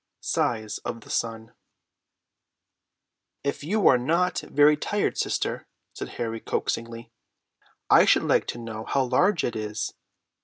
SIZE OF THE SUN. "If you are not very tired, sister," said Harry coaxingly, "I should like to know how large it is.